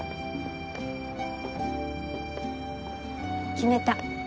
決めた。